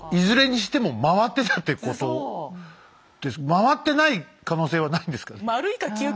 回ってない可能性はないんですか？